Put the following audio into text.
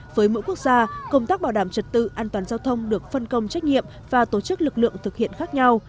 với mỗi quốc gia công tác bảo đảm trật tự an toàn giao thông được phân công trách nhiệm và tổ chức lực lượng thực hiện khác nhau